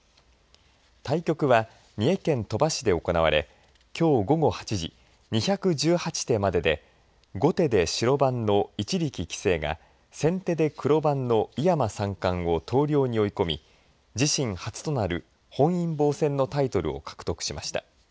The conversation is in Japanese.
対局は三重県鳥羽市で行われきょう午後８時２１８手までで後手で白番の一力棋聖が先手で黒番の井山三冠を投了に追い込み自身初となる本因坊戦のタイトルを獲得しました。